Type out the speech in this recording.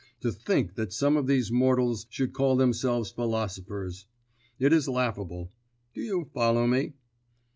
To think that some of these mortals should call themselves philosophers! It is laughable. Do you follow me?"